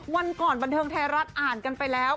วันก่อนบันเทิงไทยรัฐอ่านกันไปแล้ว